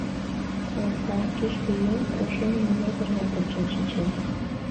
Лапка, кӱжгӧ еҥ прошенийым ятыр жап ончен шинчен.